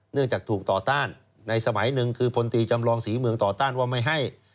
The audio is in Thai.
จากถูกต่อต้านในสมัยหนึ่งคือพลตรีจำลองศรีเมืองต่อต้านว่าไม่ให้